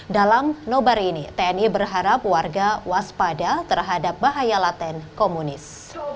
dalam nobar ini tni berharap warga waspada terhadap bahaya laten komunis